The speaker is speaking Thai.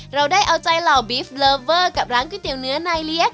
เราได้เอาใจเหล่าบีฟเลิฟเวอร์กับร้านก๋วยเตี๋ยเนื้อนายเลี้ย